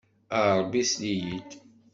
A Ṛebbi, sel-iyi-d!